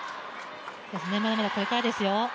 まだまだこれからですよ。